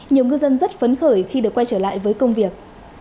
nhiều ngư dân rất phấn khởi khi được quay trở lại với công việc